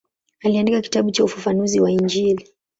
Aliandika kitabu cha ufafanuzi wa Injili.